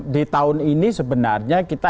di tahun ini sebenarnya kita